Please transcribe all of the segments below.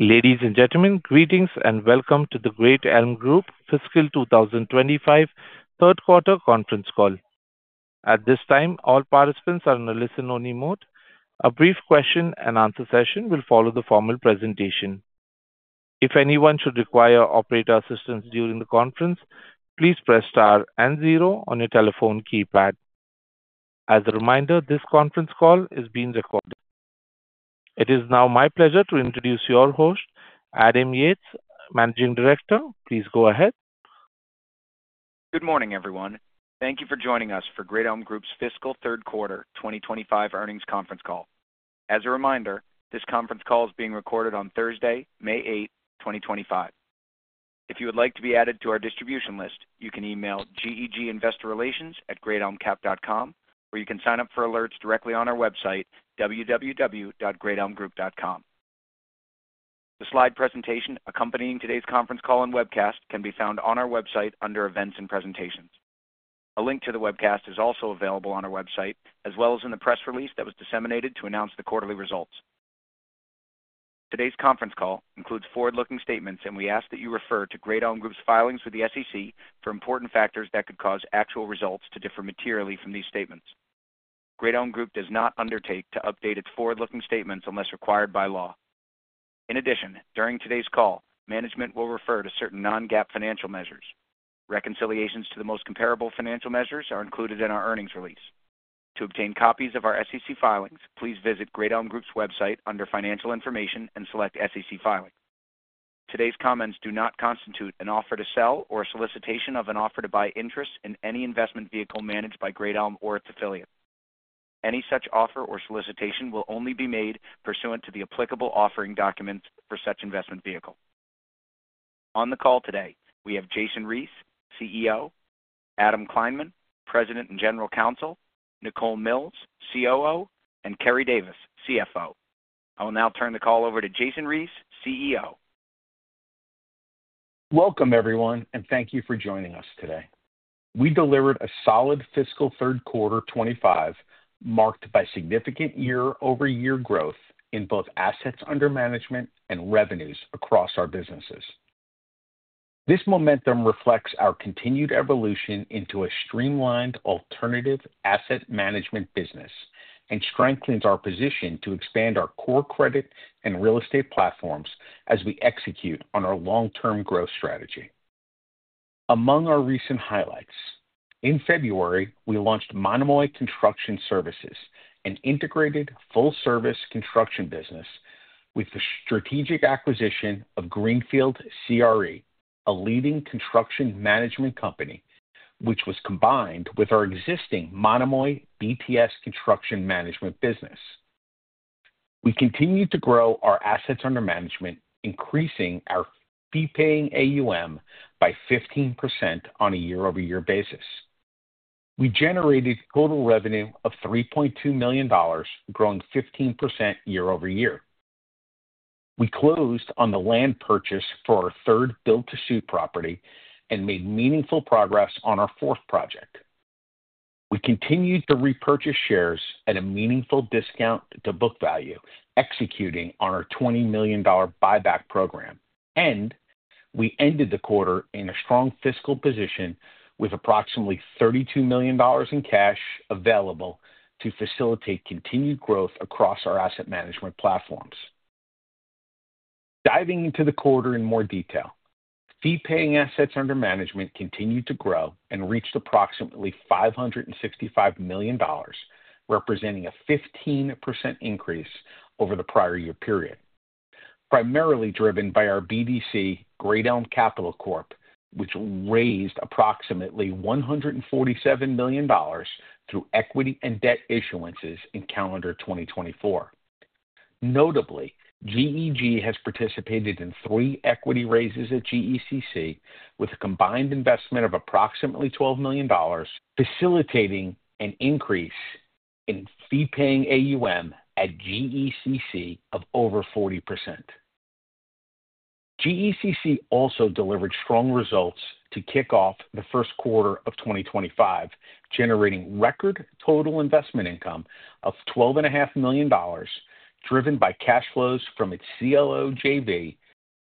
Ladies and gentlemen, greetings and welcome to the Great Elm Group Fiscal 2025 Third Quarter Conference Call. At this time, all participants are in a listen-only mode. A brief question-and-answer session will follow the formal presentation. If anyone should require operator assistance during the conference, please press star and zero on your telephone keypad. As a reminder, this conference call is being recorded. It is now my pleasure to introduce your host, Adam Yates, Managing Director. Please go ahead. Good morning, everyone. Thank you for joining us for Great Elm Group's Fiscal Third Quarter 2025 Earnings Conference Call. As a reminder, this conference call is being recorded on Thursday, May 8, 2025. If you would like to be added to our distribution list, you can email GEG Investor Relations at greatelmcap.com, or you can sign up for alerts directly on our website, www.greatelmgroup.com. The slide presentation accompanying today's conference call and webcast can be found on our website under "Events and Presentations". A link to the webcast is also available on our website, as well as in the press release that was disseminated to announce the quarterly results. Today's conference call includes forward-looking statements, and we ask that you refer to Great Elm Group's filings with the SEC for important factors that could cause actual results to differ materially from these statements. Great Elm Group does not undertake to update its forward-looking statements unless required by law. In addition, during today's call, management will refer to certain non-GAAP financial measures. Reconciliations to the most comparable financial measures are included in our earnings release. To obtain copies of our SEC filings, please visit Great Elm Group's website under "Financial Information" and select "SEC Filing. Today's comments do not constitute an offer to sell or a solicitation of an offer to buy interest in any investment vehicle managed by Great Elm or its affiliate. Any such offer or solicitation will only be made pursuant to the applicable offering documents for such investment vehicle. On the call today, we have Jason Reese, CEO; Adam Kleinman, President and General Counsel; Nicole Mills, COO; and Keri Davis, CFO. I will now turn the call over to Jason Reese, CEO. Welcome, everyone, and thank you for joining us today. We delivered a solid fiscal third quarter 2025 marked by significant year-over-year growth in both assets under management and revenues across our businesses. This momentum reflects our continued evolution into a streamlined alternative asset management business and strengthens our position to expand our core credit and real estate platforms as we execute on our long-term growth strategy. Among our recent highlights, in February, we launched Monomoy Construction Services, an integrated full-service construction business, with the strategic acquisition of Greenfield CRE, a leading construction management company, which was combined with our existing Monomoy BTS construction management business. We continued to grow our assets under management, increasing our fee-paying AUM by 15% on a year-over-year basis. We generated total revenue of $3.2 million, growing 15% year-over-year. We closed on the land purchase for our third build-to-suit property and made meaningful progress on our fourth project. We continued to repurchase shares at a meaningful discount to book value, executing on our $20 million buyback program, and we ended the quarter in a strong fiscal position with approximately $32 million in cash available to facilitate continued growth across our asset management platforms. Diving into the quarter in more detail, fee-paying assets under management continued to grow and reached approximately $565 million, representing a 15% increase over the prior year period, primarily driven by our BDC, Great Elm Capital Corp, which raised approximately $147 million through equity and debt issuances in calendar 2024. Notably, GEG has participated in three equity raises at GECC with a combined investment of approximately $12 million, facilitating an increase in fee-paying AUM at GECC of over 40%. GECC also delivered strong results to kick off the first quarter of 2025, generating record total investment income of $12.5 million, driven by cash flows from its CLO, JV,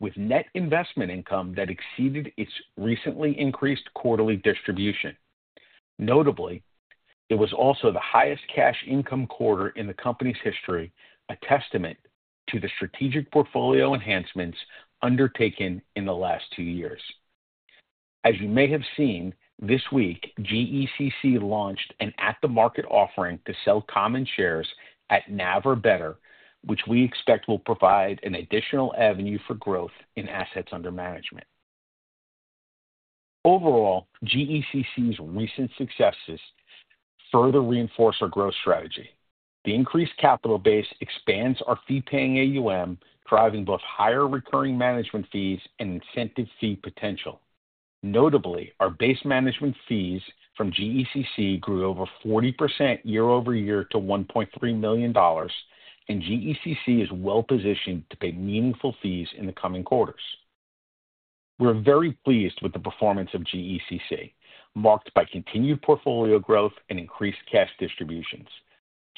with net investment income that exceeded its recently increased quarterly distribution. Notably, it was also the highest cash income quarter in the company's history, a testament to the strategic portfolio enhancements undertaken in the last two years. As you may have seen, this week, GECC launched an at-the-market offering to sell common shares at NAV or better, which we expect will provide an additional avenue for growth in assets under management. Overall, GECC's recent successes further reinforce our growth strategy. The increased capital base expands our fee-paying AUM, driving both higher recurring management fees and incentive fee potential. Notably, our base management fees from GECC grew over 40% year-over-year to $1.3 million, and GECC is well-positioned to pay meaningful fees in the coming quarters. We're very pleased with the performance of GECC, marked by continued portfolio growth and increased cash distributions.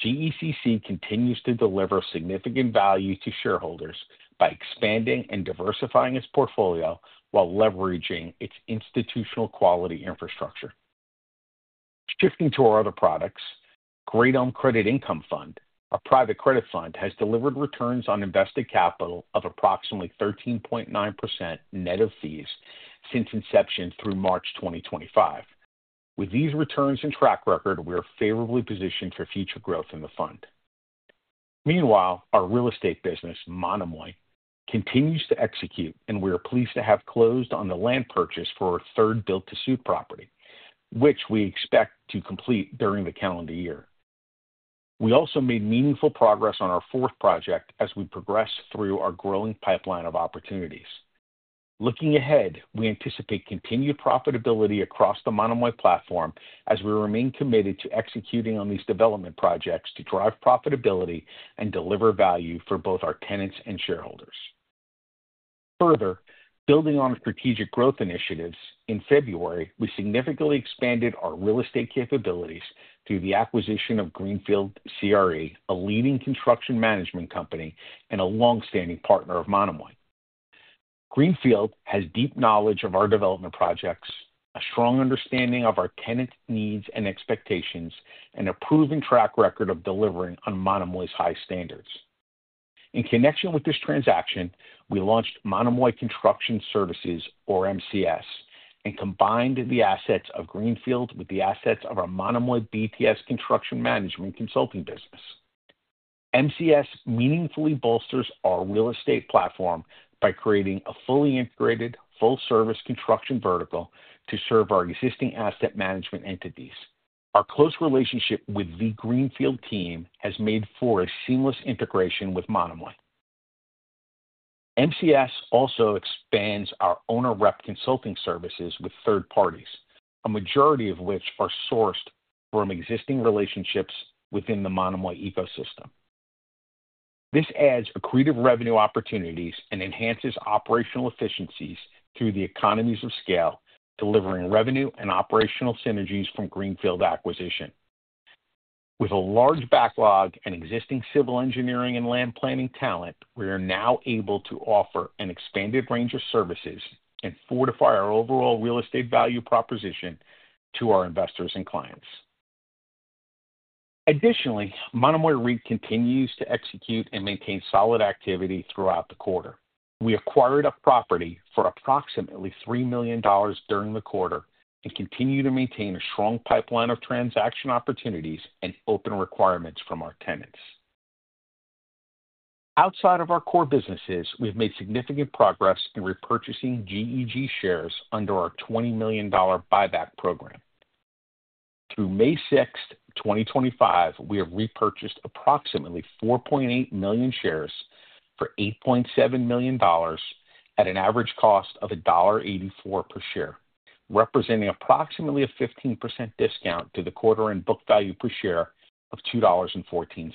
GECC continues to deliver significant value to shareholders by expanding and diversifying its portfolio while leveraging its institutional quality infrastructure. Shifting to our other products, Great Elm Credit Income Fund, our private credit fund, has delivered returns on invested capital of approximately 13.9% net of fees since inception through March 2025. With these returns and track record, we are favorably positioned for future growth in the fund. Meanwhile, our real estate business, Monomoy, continues to execute, and we are pleased to have closed on the land purchase for our third build-to-suit property, which we expect to complete during the calendar year. We also made meaningful progress on our fourth project as we progress through our growing pipeline of opportunities. Looking ahead, we anticipate continued profitability across the Monomoy platform as we remain committed to executing on these development projects to drive profitability and deliver value for both our tenants and shareholders. Further, building on our strategic growth initiatives, in February, we significantly expanded our real estate capabilities through the acquisition of Greenfield CRE, a leading construction management company and a longstanding partner of Monomoy. Greenfield has deep knowledge of our development projects, a strong understanding of our tenant needs and expectations, and a proven track record of delivering on Monomoy's high standards. In connection with this transaction, we launched Monomoy Construction Services, or MCS, and combined the assets of Greenfield with the assets of our Monomoy BTS construction management consulting business. MCS meaningfully bolsters our real estate platform by creating a fully integrated, full-service construction vertical to serve our existing asset management entities. Our close relationship with the Greenfield team has made for a seamless integration with Monomoy. MCS also expands our owner-rep consulting services with third parties, a majority of which are sourced from existing relationships within the Monomoy ecosystem. This adds accretive revenue opportunities and enhances operational efficiencies through the economies of scale, delivering revenue and operational synergies from Greenfield acquisition. With a large backlog and existing civil engineering and land planning talent, we are now able to offer an expanded range of services and fortify our overall real estate value proposition to our investors and clients. Additionally, Monomoy Reed continues to execute and maintain solid activity throughout the quarter. We acquired a property for approximately $3 million during the quarter and continue to maintain a strong pipeline of transaction opportunities and open requirements from our tenants. Outside of our core businesses, we've made significant progress in repurchasing GEG shares under our $20 million buyback program. Through May 6, 2025, we have repurchased approximately 4.8 million shares for $8.7 million at an average cost of $1.84 per share, representing approximately a 15% discount to the quarter-end book value per share of $2.14.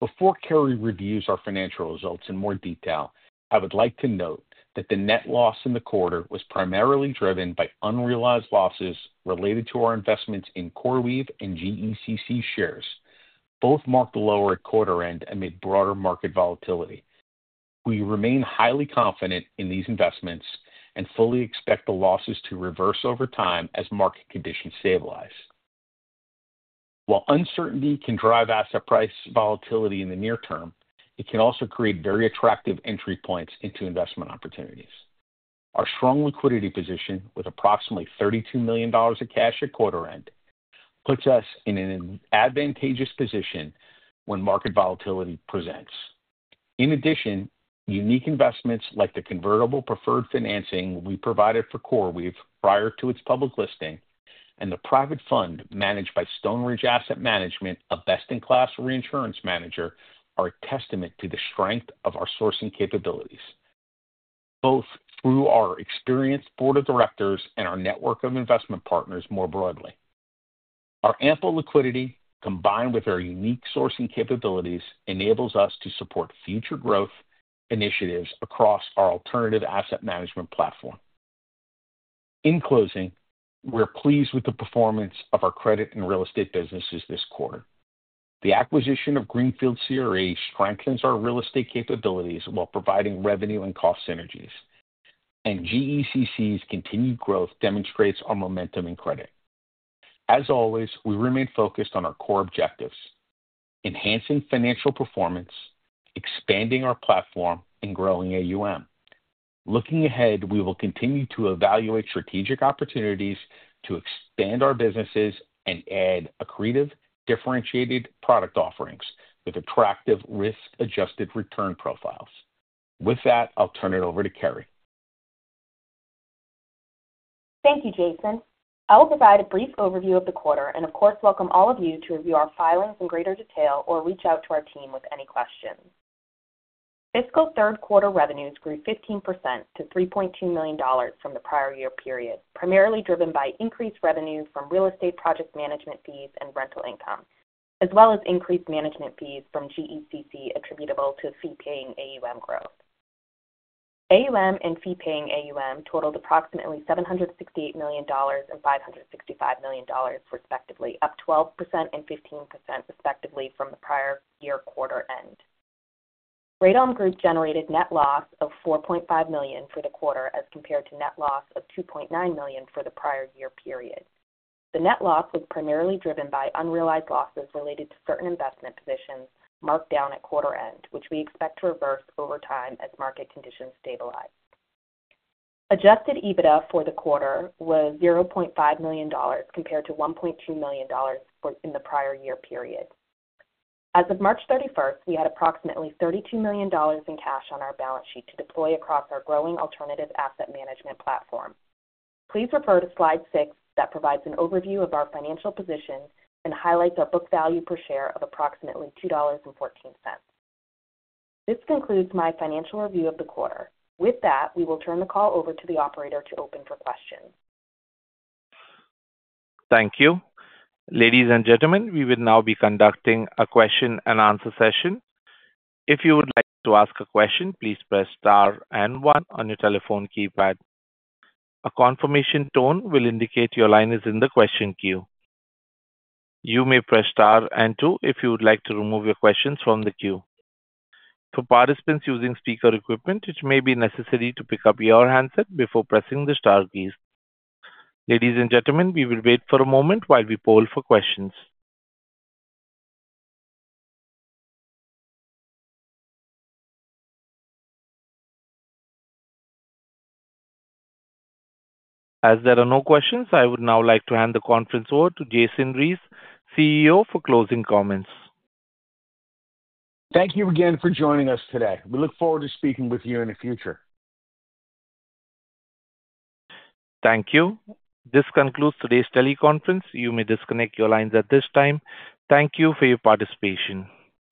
Before Keri reviews our financial results in more detail, I would like to note that the net loss in the quarter was primarily driven by unrealized losses related to our investments in CoreWeave and GECC shares. Both marked a lower quarter-end amid broader market volatility. We remain highly confident in these investments and fully expect the losses to reverse over time as market conditions stabilize. While uncertainty can drive asset price volatility in the near term, it can also create very attractive entry points into investment opportunities. Our strong liquidity position, with approximately $32 million of cash at quarter-end, puts us in an advantageous position when market volatility presents. In addition, unique investments like the convertible preferred financing we provided for CoreWeave prior to its public listing and the private fund managed by Stone Ridge Asset Management, a best-in-class reinsurance manager, are a testament to the strength of our sourcing capabilities, both through our experienced board of directors and our network of investment partners more broadly. Our ample liquidity, combined with our unique sourcing capabilities, enables us to support future growth initiatives across our alternative asset management platform. In closing, we're pleased with the performance of our credit and real estate businesses this quarter. The acquisition of Greenfield CRE strengthens our real estate capabilities while providing revenue and cost synergies, and GECC's continued growth demonstrates our momentum in credit. As always, we remain focused on our core objectives: enhancing financial performance, expanding our platform, and growing AUM. Looking ahead, we will continue to evaluate strategic opportunities to expand our businesses and add accretive, differentiated product offerings with attractive risk-adjusted return profiles. With that, I'll turn it over to Keri. Thank you, Jason. I will provide a brief overview of the quarter and, of course, welcome all of you to review our filings in greater detail or reach out to our team with any questions. Fiscal third quarter revenues grew 15% to $3.2 million from the prior year period, primarily driven by increased revenue from real estate project management fees and rental income, as well as increased management fees from GECC attributable to fee-paying AUM growth. AUM and fee-paying AUM totaled approximately $768 million and $565 million, respectively, up 12% and 15%, respectively, from the prior year quarter-end. Great Elm Group generated net loss of $4.5 million for the quarter as compared to net loss of $2.9 million for the prior year period. The net loss was primarily driven by unrealized losses related to certain investment positions marked down at quarter-end, which we expect to reverse over time as market conditions stabilize. Adjusted EBITDA for the quarter was $0.5 million compared to $1.2 million in the prior year period. As of March 31, we had approximately $32 million in cash on our balance sheet to deploy across our growing alternative asset management platform. Please refer to slide 6 that provides an overview of our financial position and highlights our book value per share of approximately $2.14. This concludes my financial review of the quarter. With that, we will turn the call over to the operator to open for questions. Thank you. Ladies and gentlemen, we will now be conducting a question-and-answer session. If you would like to ask a question, please press star and one on your telephone keypad. A confirmation tone will indicate your line is in the question queue. You may press star and two if you would like to remove your questions from the queue. For participants using speaker equipment, it may be necessary to pick up your handset before pressing the star keys. Ladies and gentlemen, we will wait for a moment while we poll for questions. As there are no questions, I would now like to hand the conference over to Jason Reese, CEO, for closing comments. Thank you again for joining us today. We look forward to speaking with you in the future. Thank you. This concludes today's teleconference. You may disconnect your lines at this time. Thank you for your participation.